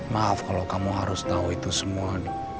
maaf kalau kamu harus tahu itu semua